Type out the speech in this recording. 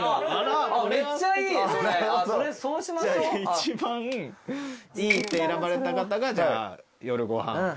一番いいって選ばれた方がじゃあ夜ご飯。